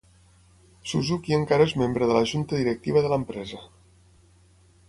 Suzuki encara és membre de la junta directiva de l'empresa.